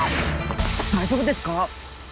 大丈夫ですか？